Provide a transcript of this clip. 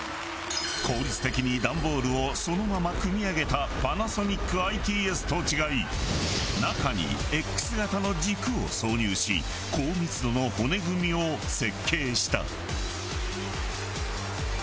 効率的にダンボールをそのまま組み上げたＰａｎａｓｏｎｉｃＩＴＳと違い中にエックス型の軸を挿入し高密度の骨組みを設計した。